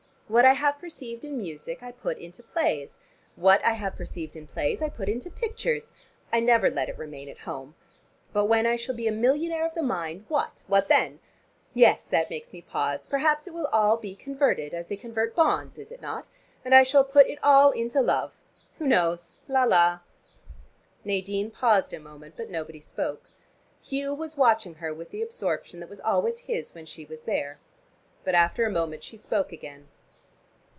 What I have perceived in music, I put into plays: what I have perceived in plays I put into pictures. I never let it remain at home. But when I shall be a millionaire of the mind, what, what then? Yes, that makes me pause. Perhaps it will all be converted, as they convert bonds, is it not, and I shall put it all into love. Who knows, La la." Nadine paused a moment, but nobody spoke. Hugh was watching her with the absorption that was always his when she was there. But after a moment she spoke again.